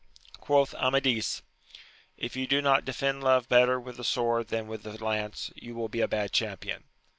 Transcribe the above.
Quoth Amadis, If you do not defend love better with the sword than with the lance, you will be a bad champion.